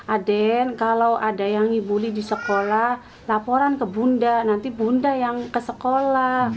aden kalau ada yang ibu li di sekolah laporan ke bunda nanti bunda yang ke sekolah